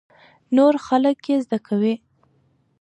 نور خلک يې زده کوي.